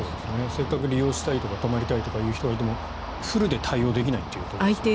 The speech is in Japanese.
せっかく利用したいとか泊まりたいという人がいてもフルで対応できないということですね。